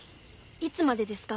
いつまでですか？